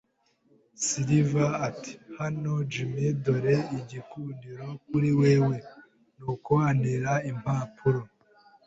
Silver ati: "Hano, Jim - dore igikundiro kuri wewe", nuko antera impapuro.